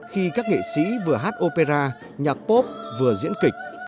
khi các nghệ sĩ vừa hát opera nhạc pop vừa diễn kịch